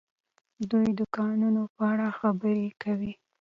دوی د کانونو په اړه خبرې کوي.